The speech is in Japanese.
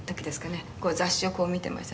雑誌をこう見てました。